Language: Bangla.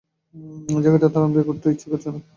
জায়গাটা এত আরামদায়ক, উঠতে ইচ্ছাই করছে না।